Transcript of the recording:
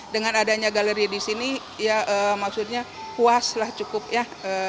dengan adanya galeri di sini ya maksudnya puas lah cukup ya